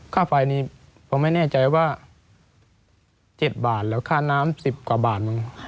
ค่าไฟนี้ผมไม่แน่ใจว่า๗บาทแล้วค่าน้ำ๑๐กว่าบาทมึง